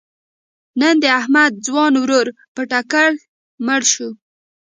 نن د احمد ځوان ورور په ټکر مړ شو.